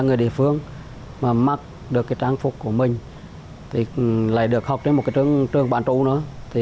người địa phương mà mặc được cái trang phục của mình thì lại được học đến một cái trường bán chú nữa thì